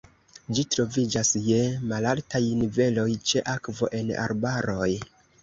Ĝi troviĝas je malaltaj niveloj ĉe akvo en arbaroj.